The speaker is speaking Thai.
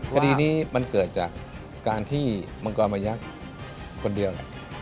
คดีนี้มันเกิดจากการที่มังกรมายักษ์คนเดียว